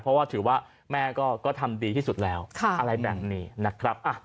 เพราะว่าถือว่าแม่ก็ทำดีที่สุดแล้วอะไรแบบนี้นะครับ